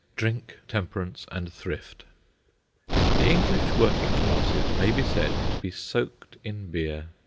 DRINK, TEMPERANCE, AND THRIFT The English working classes may be said to be soaked in beer.